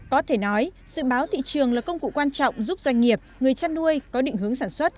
có thể nói dự báo thị trường là công cụ quan trọng giúp doanh nghiệp người chăn nuôi có định hướng sản xuất